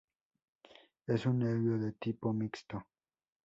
Es un nervio de tipo mixto.